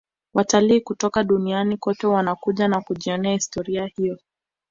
watalii kutoka duniani kote wanakuja na kujionea historia hiyo